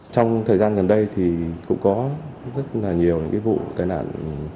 trong thời gian gần đây thì cũng có rất là nhiều những cái vụ tai nạn